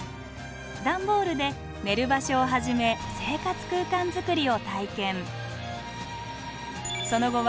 段ボールで寝る場所をはじめ生活空間づくりを体験。